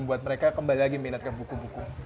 membuat mereka kembali lagi minat ke buku buku